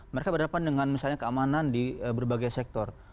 mereka berhadapan dengan misalnya keamanan di berbagai sektor